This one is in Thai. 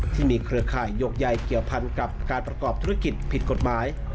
ที่มีเครือข่ายโยคใยเกี่ยวผ่านกับการประกอบธุรกิจผิดกฎหมาย